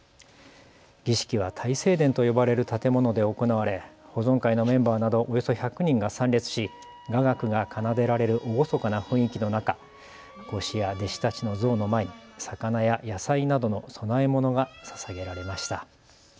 儀式は大成殿と呼ばれる建物で行われ、保存会のメンバーなどおよそ１００人が参列し雅楽が奏でられる厳かな雰囲気の中孔子や弟子たちの像の前に魚や野菜などの供え物がささげられました。